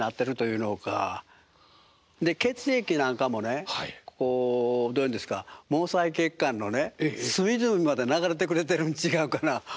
で血液なんかもねこうどう言うんですか毛細血管のね隅々まで流れてくれてるん違うかな思いますけどね。